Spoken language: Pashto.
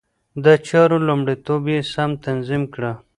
د چارو لومړيتوب يې سم تنظيم کړ.